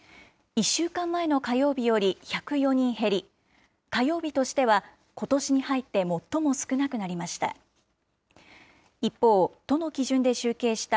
１週間前の火曜日より１０４人減り、火曜日としてはことしに入って最も少なくなりました。